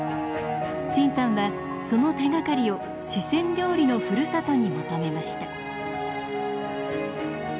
陳さんはその手がかりを四川料理のふるさとに求めました。